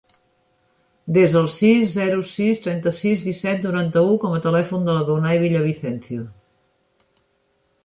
Desa el sis, zero, sis, trenta-sis, disset, noranta-u com a telèfon de l'Adonay Villavicencio.